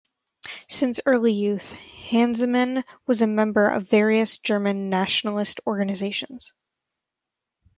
Since early youth Hansemann was a member of various German nationalist organizations.